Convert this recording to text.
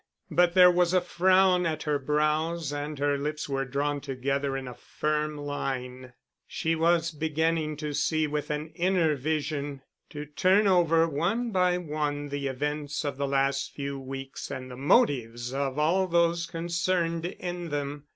But there was a frown at her brows and her lips were drawn together in a firm line. She was beginning to see with an inner vision, to turn over one by one the events of the last few weeks and the motives of all those concerned in them.